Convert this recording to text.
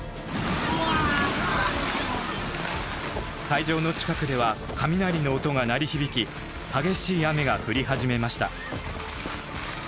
会場の近くでは雷の音が鳴り響き激しい雨が降り始めました。